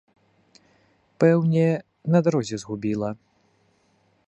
Пэўне, на дарозе згубіла.